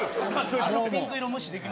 あのピンク色無視できます？